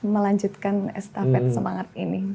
melanjutkan estafet semangat ini